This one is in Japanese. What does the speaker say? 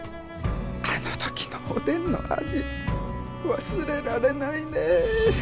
あの時のおでんの味忘れられないね。